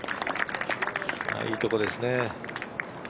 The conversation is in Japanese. いいところですね。